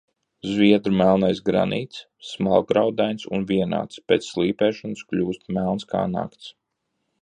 Zviedru melnais granīts, smalkgraudains un vienāds, pēc slīpēšanas kļūst melns kā nakts.